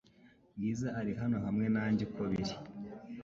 Bwiza ari hano hamwe nanjye uko biri